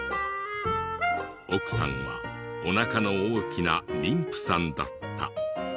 奥さんはおなかの大きな妊婦さんだった。